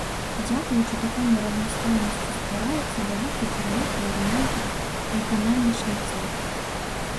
Дзякуючы такому разнастайнасці ствараецца вялікі пералік варыянтаў выканання шліцаў.